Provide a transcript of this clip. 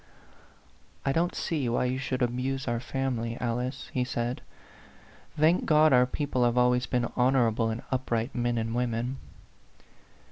"I don't see why you should abuse our family, Alice," he said. "Thank God, our people have always been honorable and up right men and women